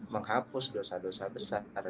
menghapus dosa dosa besar